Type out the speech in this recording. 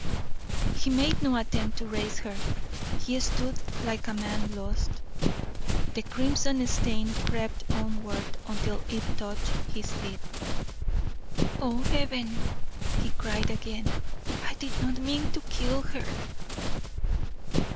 He made no attempt to raise her; he stood like a man lost. The crimson stain crept onward until it touched his feet. "Oh, Heaven!" he cried again; "I did not mean to kill her."